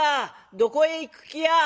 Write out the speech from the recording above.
どこへ行く気や？」。